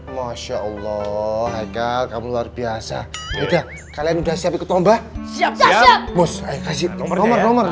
masya allah agak kamu luar biasa udah kalian udah siap ikut lomba siap siap bos kasih nomor nomor